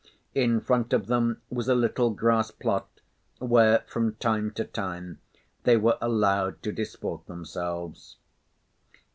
In front of them was a little grass plot where, from time to time, they were allowed to disport themselves.